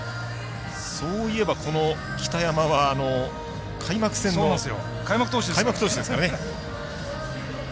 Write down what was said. そういえば、この北山は開幕戦の開幕投手ですからね。